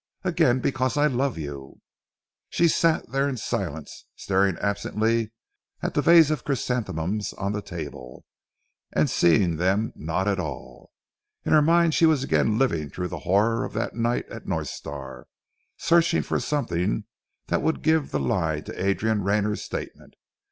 "Again because I love you." She sat there in silence, staring absently at a vase of chrysanthemums on the table, and seeing them not at all. In her mind she was again living through the horror of that night at North Star, searching for something that would give the lie to Adrian Rayner's statement.